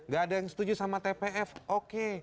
gak ada yang setuju sama tpf oke